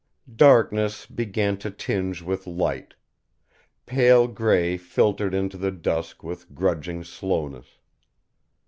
_ Darkness began to tinge with light. Pale gray filtered into the dusk with grudging slowness.